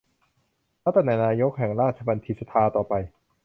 รับตำแหน่งนายกแห่งราชบัณฑิตยสภาต่อไป